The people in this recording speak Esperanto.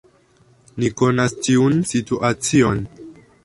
Ni konas tiun situacion.